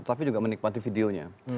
tapi juga menikmati videonya